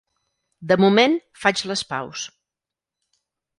De moment, faig les paus.